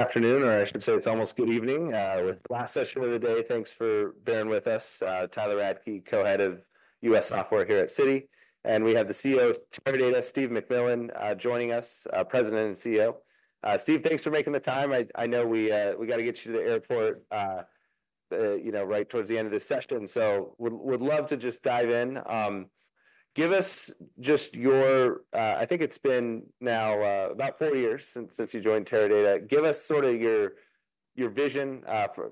Good afternoon, or I should say it's almost good evening, with the last session of the day. Thanks for bearing with us. Tyler Radke, Co-Head of US Software here at Citi, and we have the CEO of Teradata, Steve McMillan, joining us, President and CEO. Steve, thanks for making the time. I know we gotta get you to the airport, you know, right towards the end of this session, so would love to just dive in. Give us just your. I think it's been now about four years since you joined Teradata. Give us sort of your vision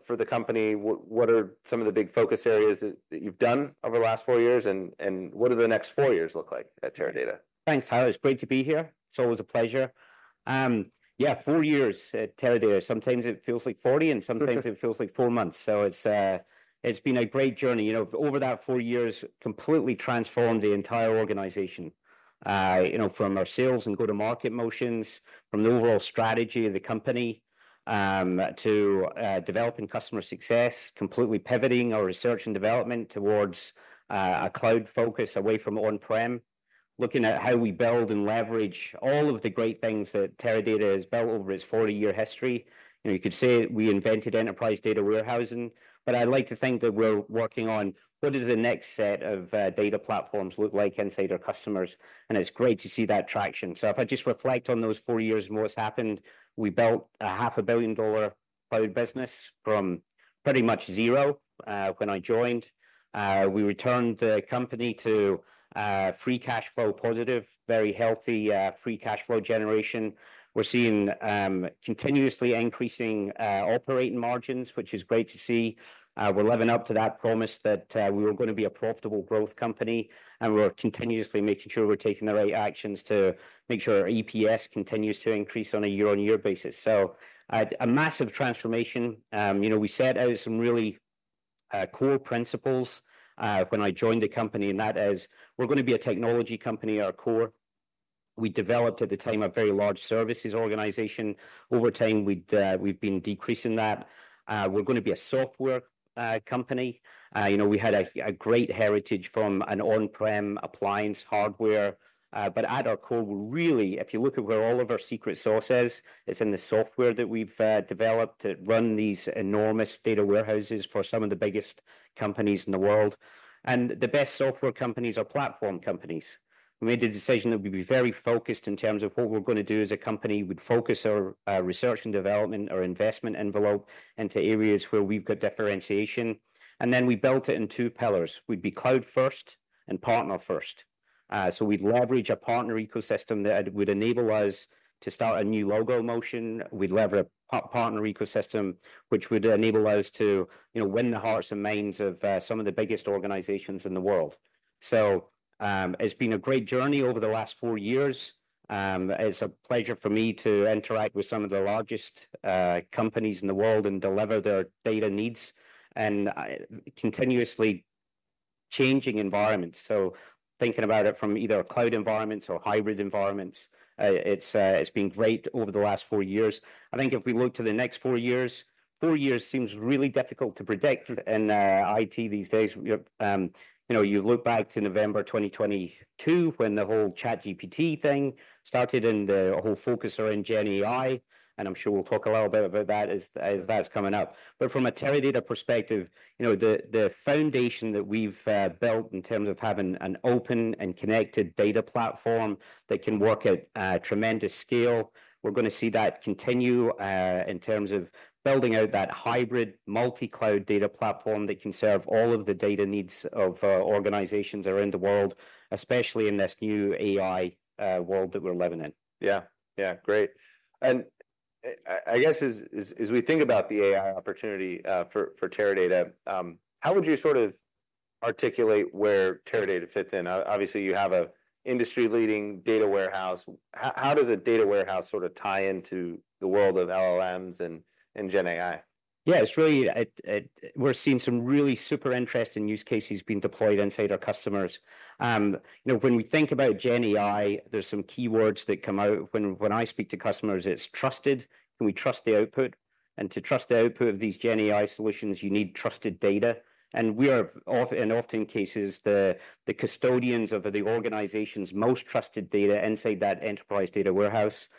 for the company. What are some of the big focus areas that you've done over the last four years, and what do the next four years look like at Teradata? Thanks, Tyler. It's great to be here. It's always a pleasure. Yeah, four years at Teradata. Sometimes it feels like forty, and sometimes it feels like four months, so it's been a great journey. You know, over that four years, completely transformed the entire organization, you know, from our sales and go-to-market motions, from the overall strategy of the company, to developing customer success, completely pivoting our research and development towards a cloud focus away from on-prem, looking at how we build and leverage all of the great things that Teradata has built over its forty-year history. You know, you could say we invented enterprise data warehousing, but I'd like to think that we're working on what does the next set of data platforms look like inside our customers. And it's great to see that traction. So if I just reflect on those four years and what's happened, we built a $500 million cloud business from pretty much zero when I joined. We returned the company to free cash flow positive, very healthy free cash flow generation. We're seeing continuously increasing operating margins, which is great to see. We're living up to that promise that we were gonna be a profitable growth company, and we're continuously making sure we're taking the right actions to make sure our EPS continues to increase on a year-on-year basis. So at a massive transformation, you know, we set out some really core principles when I joined the company, and that is we're gonna be a technology company at our core. We developed, at the time, a very large services organization. Over time, we'd we've been decreasing that. We're gonna be a software company. You know, we had a great heritage from an on-prem appliance hardware, but at our core, really, if you look at where all of our secret sauce is, it's in the software that we've developed to run these enormous data warehouses for some of the biggest companies in the world. And the best software companies are platform companies. We made the decision that we'd be very focused in terms of what we're gonna do as a company. We'd focus our research and development, our investment envelope, into areas where we've got differentiation, and then we built it in two pillars. We'd be cloud first and partner first. So we'd leverage a partner ecosystem that would enable us to start a new logo motion. We'd leverage a partner ecosystem, which would enable us to, you know, win the hearts and minds of some of the biggest organizations in the world. It's been a great journey over the last four years. It's a pleasure for me to interact with some of the largest companies in the world and deliver their data needs and continuously changing environments. So thinking about it from either cloud environments or hybrid environments, it's been great over the last four years. I think if we look to the next four years, four years seems really difficult to predict in IT these days. You know, you look back to November 2022, when the whole ChatGPT thing started and the whole focus around GenAI, and I'm sure we'll talk a little bit about that as that's coming up. But from a Teradata perspective, you know, the foundation that we've built in terms of having an open and connected data platform that can work at a tremendous scale. We're gonna see that continue in terms of building out that hybrid, multi-cloud data platform that can serve all of the data needs of organizations around the world, especially in this new AI world that we're living in. Yeah. Yeah, great. And I guess as we think about the AI opportunity for Teradata, how would you sort of articulate where Teradata fits in? Obviously, you have an industry-leading data warehouse. How does a data warehouse sort of tie into the world of LLMs and GenAI? Yeah, it's really, we're seeing some really super interesting use cases being deployed inside our customers. You know, when we think about GenAI, there's some keywords that come out. When I speak to customers, it's trusted. Can we trust the output? And to trust the output of these GenAI solutions, you need trusted data, and we are in often cases the custodians of the organization's most trusted data inside that enterprise data warehouse.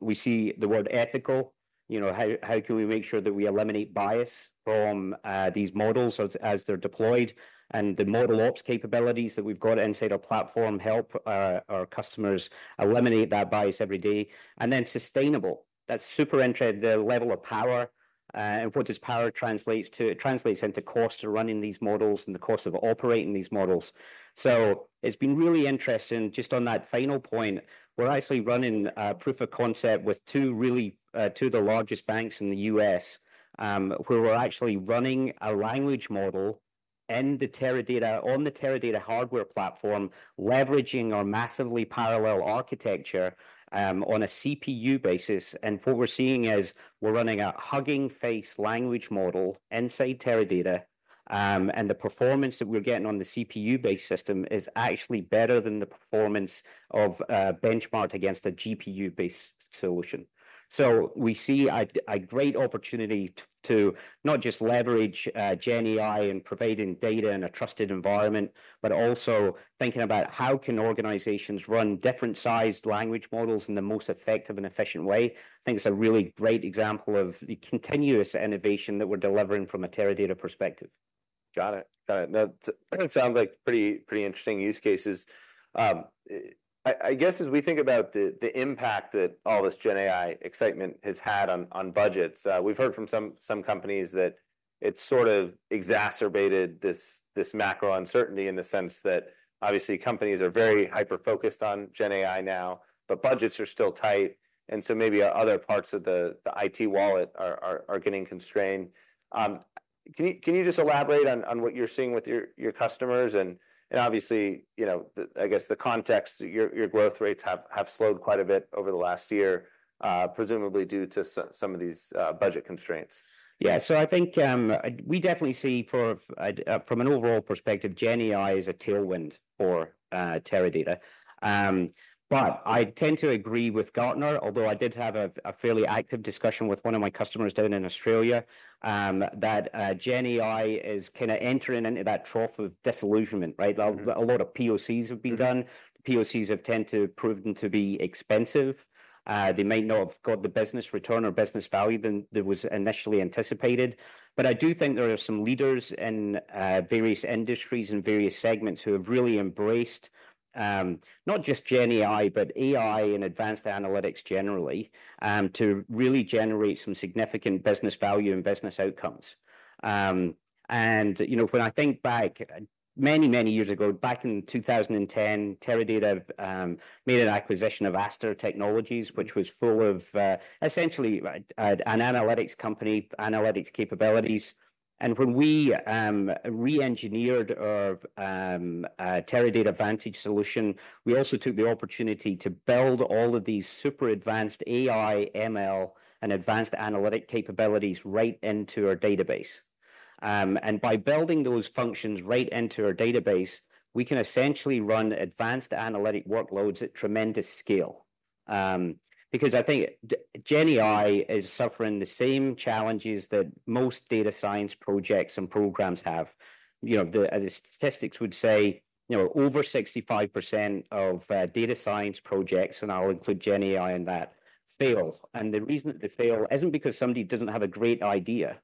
We see the word ethical. You know, how can we make sure that we eliminate bias from these models as they're deployed? And the ModelOps capabilities that we've got inside our platform help our customers eliminate that bias every day. And then sustainable, that's super interesting, the level of power, and what this power translates to. It translates into cost of running these models and the cost of operating these models, so it's been really interesting just on that final point. We're actually running a proof of concept with two really two of the largest banks in the US, where we're actually running a language model in the Teradata, on the Teradata hardware platform, leveraging our massively parallel architecture on a CPU basis, and what we're seeing is we're running a Hugging Face language model inside Teradata, and the performance that we're getting on the CPU-based system is actually better than the performance of a benchmark against a GPU-based solution, so we see a great opportunity to not just leverage GenAI in providing data in a trusted environment, but also thinking about how can organizations run different-sized language models in the most effective and efficient way. I think it's a really great example of the continuous innovation that we're delivering from a Teradata perspective. Got it. Now, it sounds like pretty interesting use cases. I guess as we think about the impact that all this Gen AI excitement has had on budgets, we've heard from some companies that it's sort of exacerbated this macro uncertainty in the sense that obviously companies are very hyper-focused on Gen AI now, but budgets are still tight, and so maybe other parts of the IT wallet are getting constrained. Can you just elaborate on what you're seeing with your customers? And obviously, you know, I guess the context, your growth rates have slowed quite a bit over the last year, presumably due to some of these budget constraints. Yeah. So I think we definitely see, from an overall perspective, Gen AI is a tailwind for Teradata. But I tend to agree with Gartner, although I did have a fairly active discussion with one of my customers down in Australia, that Gen AI is kind of entering into that trough of disillusionment, right? Mm-hmm. A lot of POCs have been done. POCs have tended to prove them to be expensive. They might not have got the business return or business value than there was initially anticipated. But I do think there are some leaders in various industries and various segments who have really embraced not just Gen AI, but AI and advanced analytics generally to really generate some significant business value and business outcomes. And, you know, when I think back many, many years ago, back in two thousand and ten, Teradata made an acquisition of Aster Technologies, which was full of essentially an analytics company, analytics capabilities. And when we re-engineered our Teradata Vantage solution, we also took the opportunity to build all of these super advanced AI, ML, and advanced analytic capabilities right into our database. And by building those functions right into our database, we can essentially run advanced analytic workloads at tremendous scale. Because I think Gen AI is suffering the same challenges that most data science projects and programs have. You know, the statistics would say, you know, over 65% of data science projects, and I'll include Gen AI in that, fail. And the reason that they fail isn't because somebody doesn't have a great idea,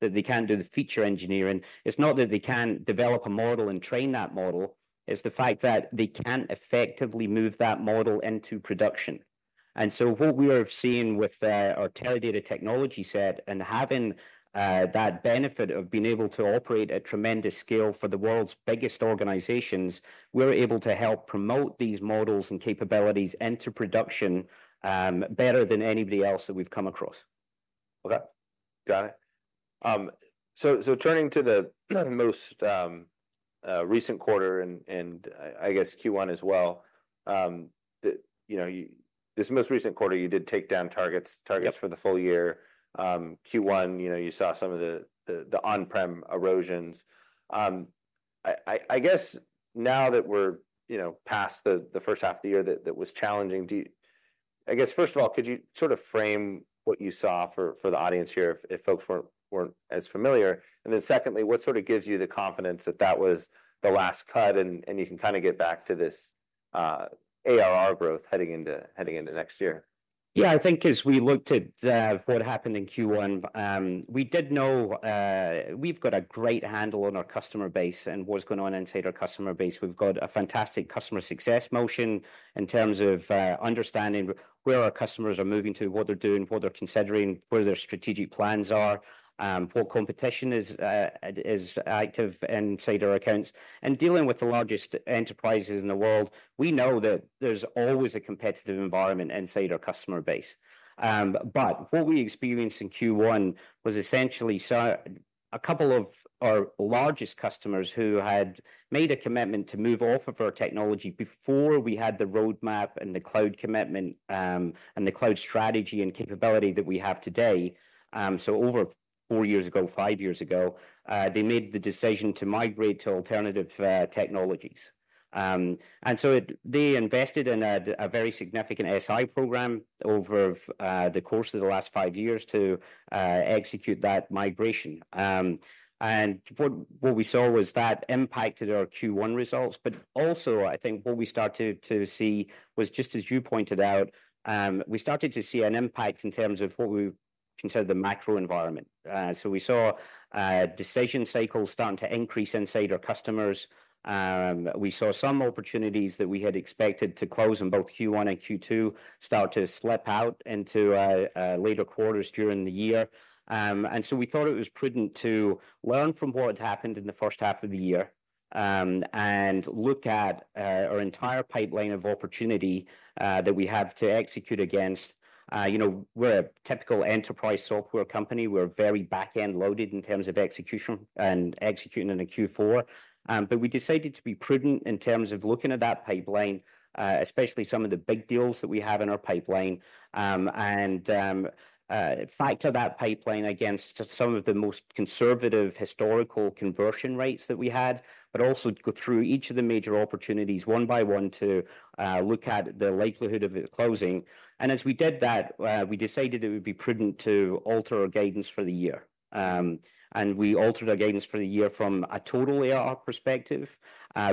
that they can't do the feature engineering. It's not that they can't develop a model and train that model. It's the fact that they can't effectively move that model into production. And so what we are seeing with our Teradata technology set and having that benefit of being able to operate at tremendous scale for the world's biggest organizations, we're able to help promote these models and capabilities into production, better than anybody else that we've come across. Okay. Got it. So turning to the most recent quarter, and I guess Q1 as well, the. You know, this most recent quarter, you did take down targets- Yep... targets for the full year. Q1, you know, you saw some of the on-prem erosions. I guess now that we're, you know, past the first half of the year that was challenging. Do you? I guess, first of all, could you sort of frame what you saw for the audience here, if folks weren't as familiar? And then secondly, what sort of gives you the confidence that that was the last cut and you can kind of get back to this ARR growth heading into next year? Yeah, I think as we looked at what happened in Q1, we did know. We've got a great handle on our customer base and what's going on inside our customer base. We've got a fantastic customer success motion in terms of understanding where our customers are moving to, what they're doing, what they're considering, where their strategic plans are, what competition is active inside our accounts, and dealing with the largest enterprises in the world, we know that there's always a competitive environment inside our customer base. But what we experienced in Q1 was essentially so a couple of our largest customers who had made a commitment to move off of our technology before we had the roadmap and the cloud commitment and the cloud strategy and capability that we have today so over four years ago five years ago they made the decision to migrate to alternative technologies. And so they invested in a very significant SI program over the course of the last five years to execute that migration. And what we saw was that impacted our Q1 results but also I think what we started to see was just as you pointed out we started to see an impact in terms of what we considered the macro environment so we saw decision cycles starting to increase inside our customers. We saw some opportunities that we had expected to close in both Q1 and Q2 start to slip out into later quarters during the year. And so we thought it was prudent to learn from what had happened in the first half of the year and look at our entire pipeline of opportunity that we have to execute against. You know, we're a typical enterprise software company. We're very back-end loaded in terms of execution and executing in a Q4. But we decided to be prudent in terms of looking at that pipeline, especially some of the big deals that we have in our pipeline, and factor that pipeline against some of the most conservative historical conversion rates that we had, but also go through each of the major opportunities one by one to look at the likelihood of it closing. And as we did that, we decided it would be prudent to alter our guidance for the year. And we altered our guidance for the year from a total ARR perspective,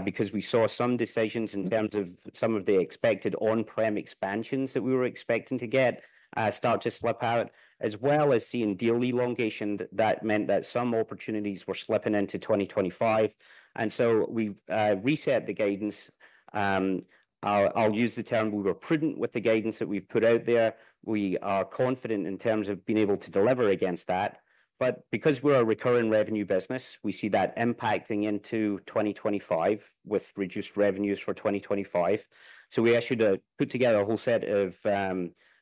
because we saw some decisions in terms of some of the expected on-prem expansions that we were expecting to get start to slip out, as well as seeing deal elongation that meant that some opportunities were slipping into twenty twenty-five. And so we've reset the guidance. I'll use the term we were prudent with the guidance that we've put out there. We are confident in terms of being able to deliver against that, but because we're a recurring revenue business, we see that impacting into twenty twenty-five, with reduced revenues for twenty twenty-five. So we actually had to put together a whole set of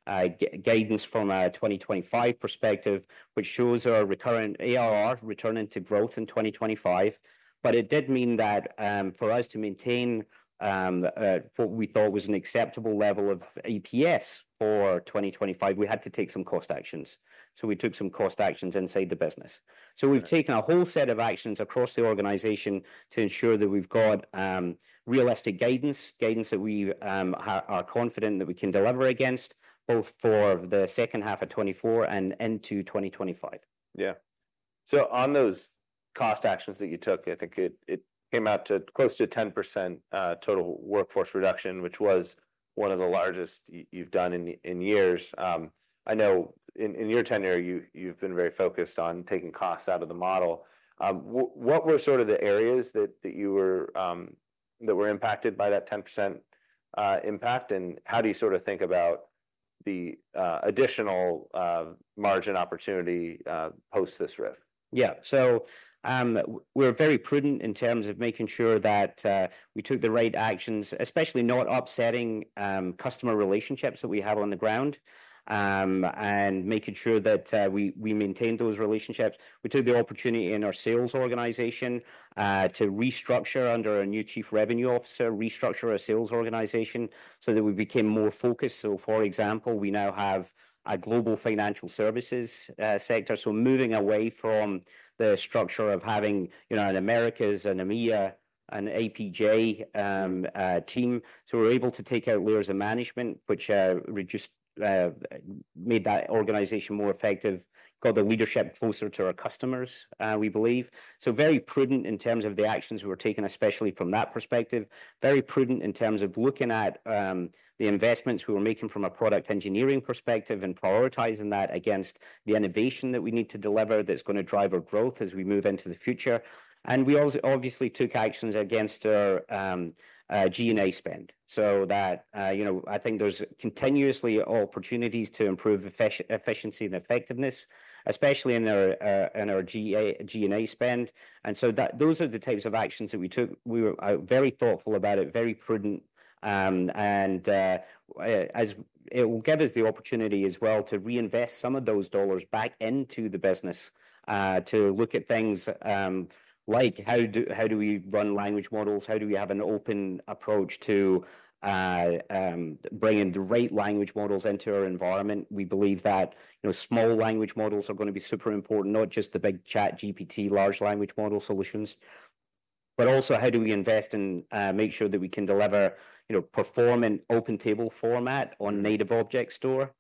guidance from a twenty twenty-five perspective, which shows our recurring ARR returning to growth in twenty twenty-five. But it did mean that, for us to maintain what we thought was an acceptable level of EPS for twenty twenty-five, we had to take some cost actions. So we took some cost actions inside the business. So we've taken a whole set of actions across the organization to ensure that we've got realistic guidance, guidance that we are confident that we can deliver against, both for the second half of 2024 and into 2025. Yeah. So on those cost actions that you took, I think it came out to close to 10%, total workforce reduction, which was one of the largest you've done in years. I know in your tenure, you've been very focused on taking costs out of the model. What were sort of the areas that were impacted by that 10% impact, and how do you sort of think about the additional margin opportunity post this RIF? Yeah. So, we're very prudent in terms of making sure that we took the right actions, especially not upsetting customer relationships that we have on the ground, and making sure that we maintain those relationships. We took the opportunity in our sales organization to restructure under a new Chief Revenue Officer, restructure our sales organization so that we became more focused. So, for example, we now have a global financial services sector, so moving away from the structure of having, you know, an Americas, an EMEA, an APJ team. So we're able to take out layers of management, which made that organization more effective, got the leadership closer to our customers, we believe. So very prudent in terms of the actions we were taking, especially from that perspective. Very prudent in terms of looking at the investments we were making from a product engineering perspective and prioritizing that against the innovation that we need to deliver that's gonna drive our growth as we move into the future. And we also obviously took actions against our G&A spend, so that you know, I think there's continuously opportunities to improve efficiency and effectiveness, especially in our G&A spend, and so that those are the types of actions that we took. We were very thoughtful about it, very prudent, and it will give us the opportunity as well to reinvest some of those dollars back into the business to look at things like how do we run language models? How do we have an open approach to bringing the right language models into our environment? We believe that, you know, small language models are gonna be super important, not just the big ChatGPT large language model solutions, but also how do we invest and make sure that we can deliver, you know, perform an open table format on Native Object Store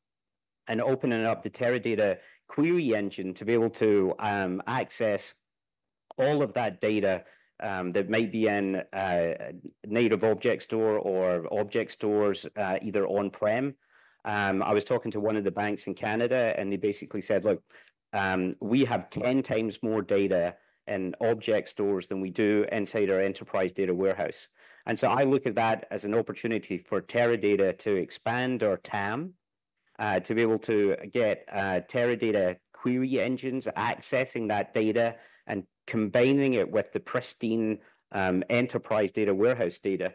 and opening up the Teradata Query Engine to be able to access all of that data that might be in Native Object Store or object stores either on-prem. I was talking to one of the banks in Canada, and they basically said, "Look, we have 10 times more data in object stores than we do inside our enterprise data warehouse." And so I look at that as an opportunity for Teradata to expand our TAM, to be able to get Teradata Query Engines accessing that data and combining it with the pristine enterprise data warehouse data,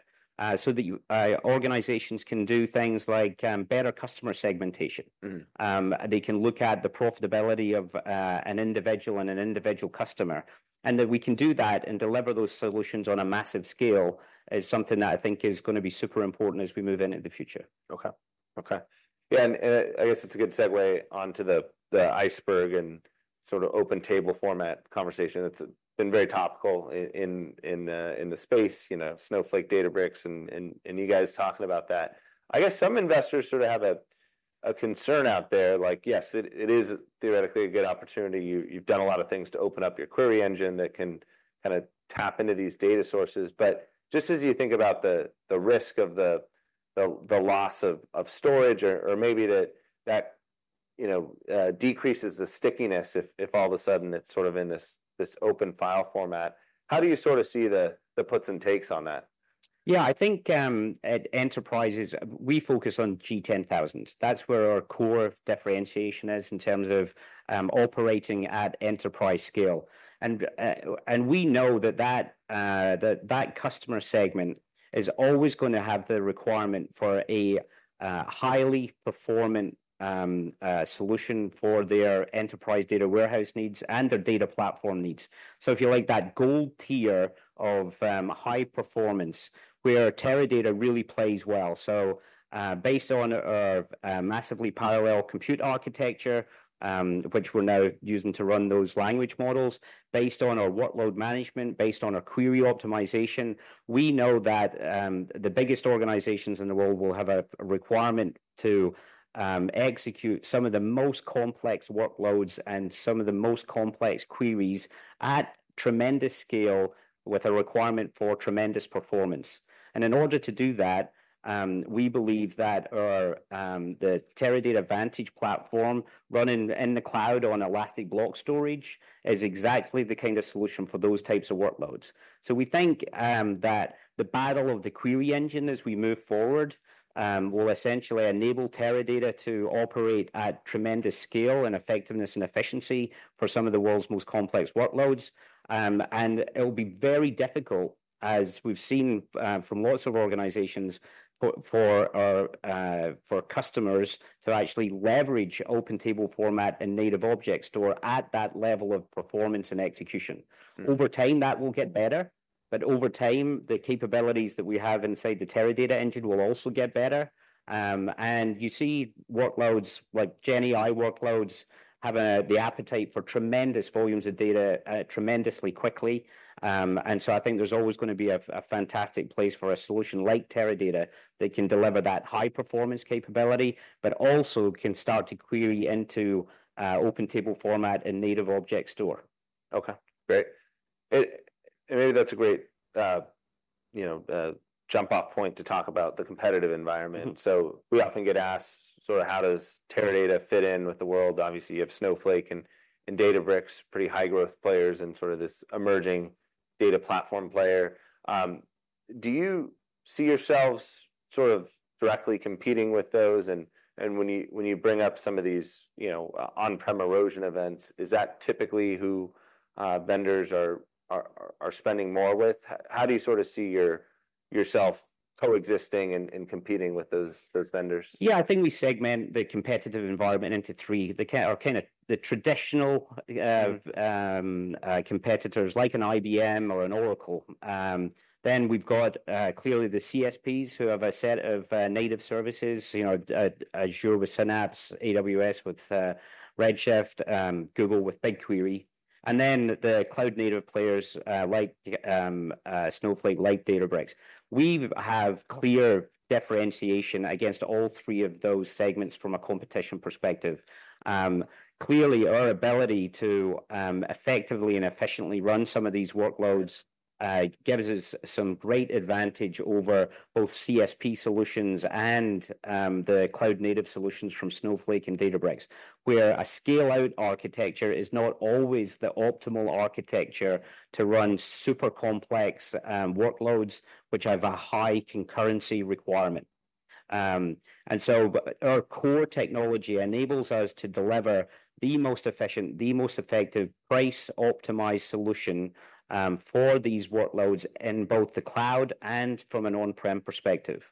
so that organizations can do things like better customer segmentation. Mm-hmm. They can look at the profitability of an individual customer, and that we can do that and deliver those solutions on a massive scale is something that I think is gonna be super important as we move into the future. Okay. Okay, yeah, and I guess it's a good segue on to the Iceberg and sort of open table format conversation that's been very topical in the space, you know, Snowflake, Databricks, and you guys talking about that. I guess some investors sort of have a concern out there, like, yes, it is theoretically a good opportunity. You've done a lot of things to open up your query engine that can kind of tap into these data sources. But just as you think about the risk of the loss of storage or maybe that, you know, decreases the stickiness if all of a sudden it's sort of in this open table format, how do you sort of see the puts and takes on that?... Yeah, I think, at enterprises, we focus on G 10,000. That's where our core differentiation is in terms of, operating at enterprise scale. And we know that customer segment is always gonna have the requirement for a highly performant solution for their enterprise data warehouse needs and their data platform needs. So if you like that gold tier of high performance, where Teradata really plays well. So, based on our massively parallel compute architecture, which we're now using to run those language models, based on our workload management, based on our query optimization, we know that the biggest organizations in the world will have a requirement to execute some of the most complex workloads and some of the most complex queries at tremendous scale, with a requirement for tremendous performance. In order to do that, we believe that the Teradata Vantage platform, running in the cloud on elastic block storage, is exactly the kind of solution for those types of workloads. We think that the battle of the query engine as we move forward will essentially enable Teradata to operate at tremendous scale and effectiveness and efficiency for some of the world's most complex workloads. It'll be very difficult, as we've seen, from lots of organizations, for our customers to actually leverage open table format and Native Object Store at that level of performance and execution. Mm-hmm. Over time, that will get better, but over time, the capabilities that we have inside the Teradata engine will also get better. And you see workloads like GenAI workloads have the appetite for tremendous volumes of data tremendously quickly. And so I think there's always gonna be a fantastic place for a solution like Teradata that can deliver that high-performance capability, but also can start to query into open table format and Native Object Store. Okay, great. Maybe that's a great, you know, jump-off point to talk about the competitive environment. Mm-hmm. So we often get asked, sort of, how does Teradata fit in with the world? Obviously, you have Snowflake and Databricks, pretty high growth players in sort of this emerging data platform player. Do you see yourselves sort of directly competing with those? And when you bring up some of these, you know, on-prem erosion events, is that typically who vendors are spending more with? How do you sort of see yourself coexisting and competing with those vendors? Yeah, I think we segment the competitive environment into three. The kind of the traditional competitors, like an IBM or an Oracle. Then we've got clearly the CSPs, who have a set of native services, you know, Azure with Synapse, AWS with Redshift, Google with BigQuery, and then the cloud-native players, like Snowflake, like Databricks. We have clear differentiation against all three of those segments from a competition perspective. Clearly, our ability to effectively and efficiently run some of these workloads gives us some great advantage over both CSP solutions and the cloud-native solutions from Snowflake and Databricks, where a scale-out architecture is not always the optimal architecture to run super complex workloads, which have a high concurrency requirement. And so our core technology enables us to deliver the most efficient, the most effective, price-optimized solution for these workloads in both the cloud and from an on-prem perspective.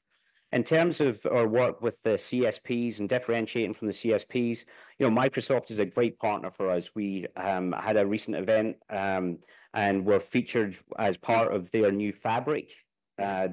In terms of our work with the CSPs and differentiating from the CSPs, you know, Microsoft is a great partner for us. We had a recent event and we're featured as part of their new fabric, you know,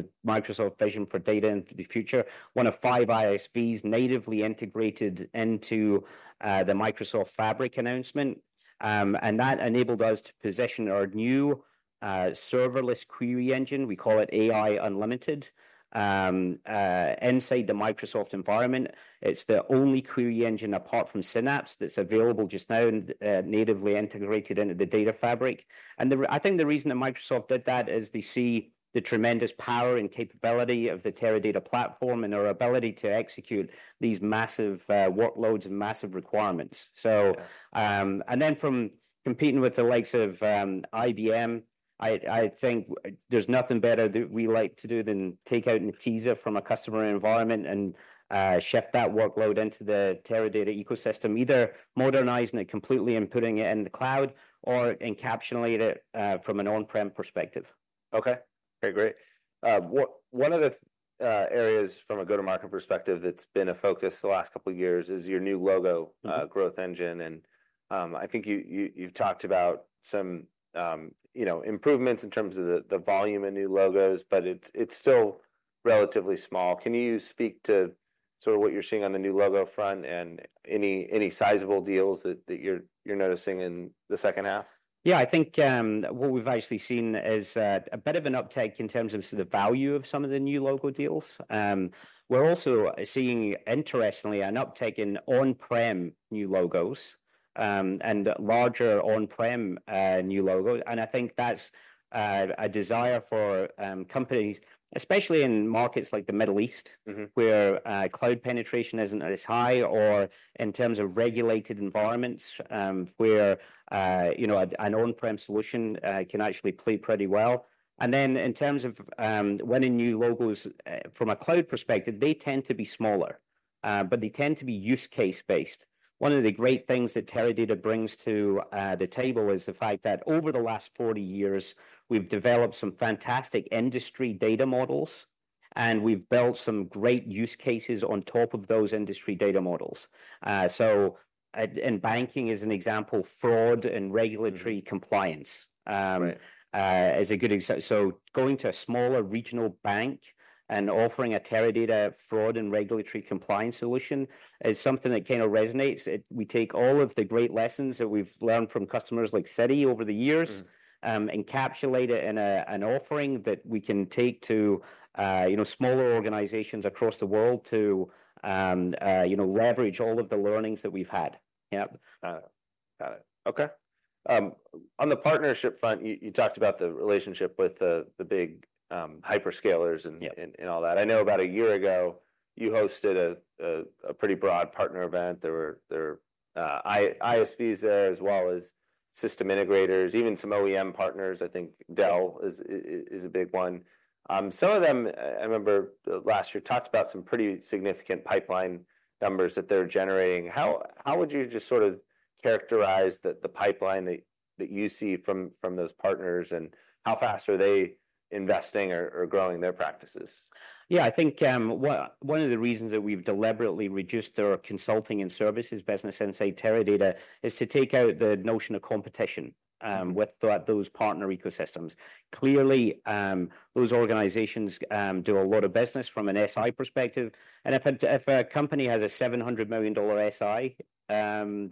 the Microsoft vision for data into the future, one of five ISVs natively integrated into the Microsoft Fabric announcement. And that enabled us to position our new serverless query engine, we call it AI Unlimited, inside the Microsoft environment. It's the only query engine apart from Synapse that's available just now and natively integrated into the data fabric. I think the reason that Microsoft did that is they see the tremendous power and capability of the Teradata platform and our ability to execute these massive workloads and massive requirements. Yeah. So, and then from competing with the likes of IBM, I think there's nothing better that we like to do than take out Netezza from a customer environment and shift that workload into the Teradata ecosystem, either modernizing it completely and putting it in the cloud or encapsulating it from an on-prem perspective. Okay. Great, great. One of the areas from a go-to-market perspective that's been a focus the last couple of years is your new logo, Mm-hmm... growth engine, and I think you've talked about some you know improvements in terms of the volume of new logos, but it's still relatively small. Can you speak to sort of what you're seeing on the new logo front and any sizable deals that you're noticing in the second half? Yeah, I think what we've actually seen is a bit of an uptake in terms of sort of the value of some of the new logo deals. We're also seeing, interestingly, an uptake in on-prem new logos, and larger on-prem new logos. And I think that's a desire for companies, especially in markets like the Middle East- Mm-hmm... where cloud penetration isn't as high, or in terms of regulated environments, where you know, an on-prem solution can actually play pretty well. And then in terms of winning new logos from a cloud perspective, they tend to be smaller. But they tend to be use case-based. One of the great things that Teradata brings to the table is the fact that over the last forty years, we've developed some fantastic industry data models, and we've built some great use cases on top of those industry data models. So banking is an example. Fraud and regulatory- Mm. -compliance, um- Right... is a good example, so going to a smaller regional bank and offering a Teradata fraud and regulatory compliance solution is something that kind of resonates. We take all of the great lessons that we've learned from customers like Citi over the years. Mm. Encapsulate it in an offering that we can take to, you know, smaller organizations across the world to, you know, leverage all of the learnings that we've had. Yeah. Got it. Okay. On the partnership front, you talked about the relationship with the big hyperscalers and- Yeah... and all that. I know about a year ago, you hosted a pretty broad partner event. There were ISVs there, as well as system integrators, even some OEM partners. I think Dell is a big one. Some of them, I remember last year, talked about some pretty significant pipeline numbers that they're generating. How would you just sort of characterize the pipeline that you see from those partners, and how fast are they investing or growing their practices? Yeah, I think, one of the reasons that we've deliberately reduced our consulting and services business inside Teradata is to take out the notion of competition with those partner ecosystems. Clearly, those organizations do a lot of business from an SI perspective, and if a company has a $700 million SI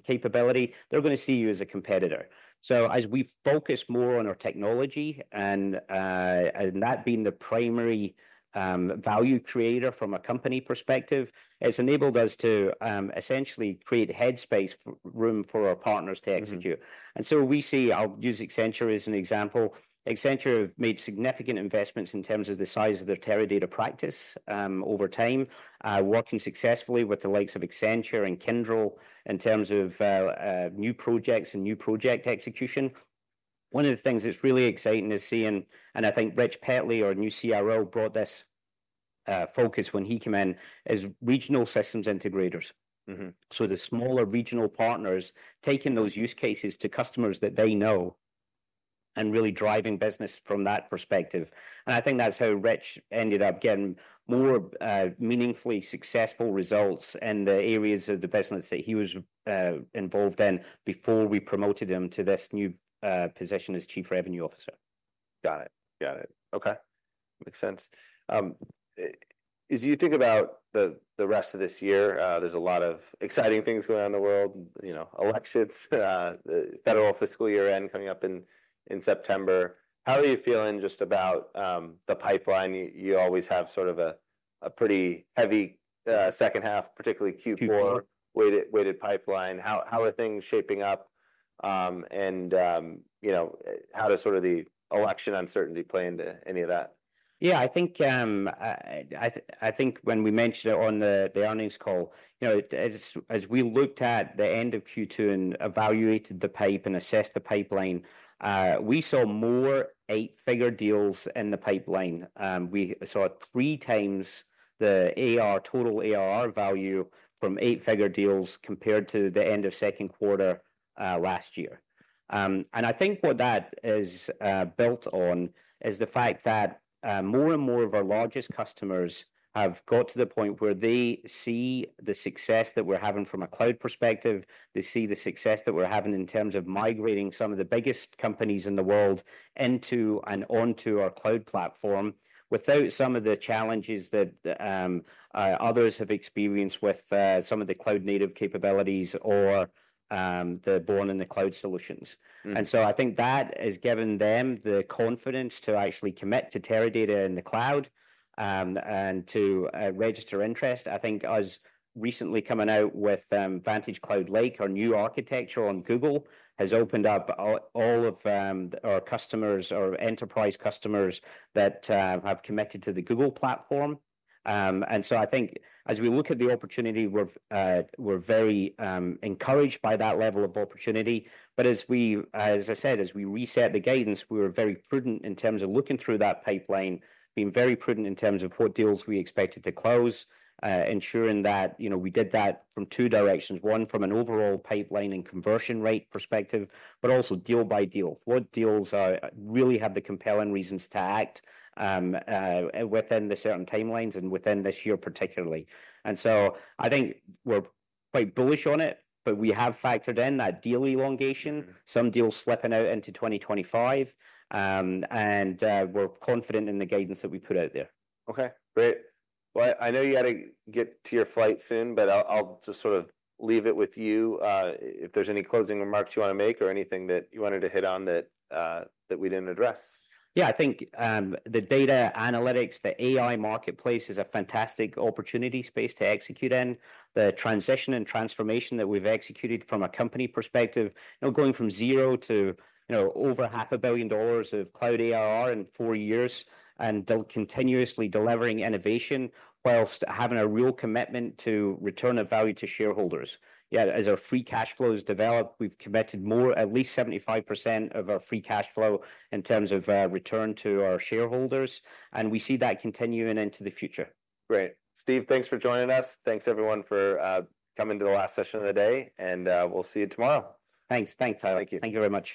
capability, they're gonna see you as a competitor. So as we focus more on our technology and, and that being the primary value creator from a company perspective, it's enabled us to essentially create headspace, room for our partners to execute. Mm. And so we see. I'll use Accenture as an example. Accenture have made significant investments in terms of the size of their Teradata practice over time, working successfully with the likes of Accenture and Kyndryl in terms of new projects and new project execution. One of the things that's really exciting is seeing, and I think Rich Petley, our new CRO, brought this focus when he came in, is regional systems integrators. Mm-hmm. The smaller regional partners taking those use cases to customers that they know, and really driving business from that perspective, and I think that's how Rich ended up getting more meaningfully successful results in the areas of the business that he was involved in before we promoted him to this new position as Chief Revenue Officer. Got it. Okay, makes sense. As you think about the rest of this year, there's a lot of exciting things going on in the world, you know, elections, the federal fiscal year-end coming up in September. How are you feeling just about the pipeline? You always have sort of a pretty heavy second half, particularly Q4- Q4... weighted pipeline. How are things shaping up, and, you know, how does sort of the election uncertainty play into any of that? Yeah, I think when we mentioned it on the earnings call, you know, as we looked at the end of Q2 and evaluated the pipe and assessed the pipeline, we saw more eight-figure deals in the pipeline. We saw three times the AR, total ARR value from eight-figure deals compared to the end of second quarter last year. And I think what that is built on is the fact that more and more of our largest customers have got to the point where they see the success that we're having from a cloud perspective. They see the success that we're having in terms of migrating some of the biggest companies in the world into and onto our cloud platform, without some of the challenges that others have experienced with some of the cloud-native capabilities or the born in the cloud solutions. Mm. And so I think that has given them the confidence to actually commit to Teradata in the cloud, and to register interest. I think us recently coming out with VantageCloud Lake, our new architecture on Google, has opened up all of our customers, our enterprise customers that have committed to the Google platform. And so I think as we look at the opportunity, we're very encouraged by that level of opportunity. But as I said, as we reset the guidance, we were very prudent in terms of looking through that pipeline, being very prudent in terms of what deals we expected to close, ensuring that, you know, we did that from two directions: one, from an overall pipeline and conversion rate perspective, but also deal by deal. What deals really have the compelling reasons to act within the certain timelines and within this year particularly? And so I think we're quite bullish on it, but we have factored in that deal elongation- Mm... some deals slipping out into twenty twenty-five, and we're confident in the guidance that we put out there. Okay, great. Well, I know you gotta get to your flight soon, but I'll just sort of leave it with you. If there's any closing remarks you want to make or anything that you wanted to hit on that we didn't address. Yeah, I think, the data analytics, the AI marketplace is a fantastic opportunity space to execute in. The transition and transformation that we've executed from a company perspective, you know, going from zero to, you know, over $500 million of cloud ARR in four years, and continuously delivering innovation whilst having a real commitment to return of value to shareholders. Yet, as our free cash flows develop, we've committed more, at least 75% of our free cash flow, in terms of, return to our shareholders, and we see that continuing into the future. Great. Steve, thanks for joining us. Thanks, everyone, for coming to the last session of the day, and we'll see you tomorrow. Thanks. Thanks, Tyler. Thank you. Thank you very much.